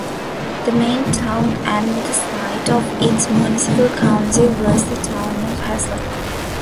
The main town and site of its municipal council was the town of Haslev.